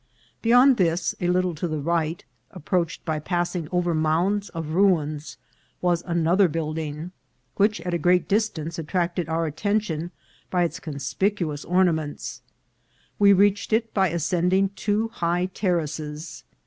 Beyond this, a little to the right, approached by pass ing over mounds of ruins, was another building, which at a great distance attracted our attention by its conspic uous ornaments. We reached it by ascending two high terraces.